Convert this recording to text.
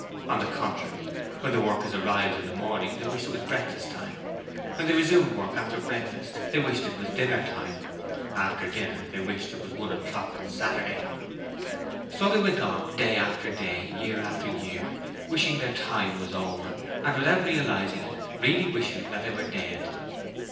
On the contrary, when the workers arrived in the morning they wished it was breakfast time. When they resumed work after breakfast they wished it was dinner time. After dinner they wished it was one o'clock on Saturday. So they went on, day after day, year after year, wishing their time was over and, without realizing it, really wishing that they were dead.